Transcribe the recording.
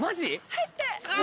入って。